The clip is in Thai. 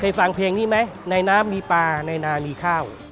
ฟังเพลงนี้ไหมในน้ำมีปลาในนามีข้าว